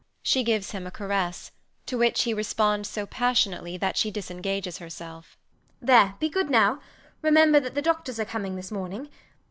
[She gives him a caress, to which he responds so passionately that she disengages herself]. There! be good now: remember that the doctors are coming this morning.